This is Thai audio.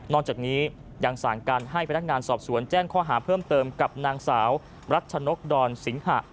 จากนี้ยังสั่งการให้พนักงานสอบสวนแจ้งข้อหาเพิ่มเติมกับนางสาวรัชนกดอนสิงหะ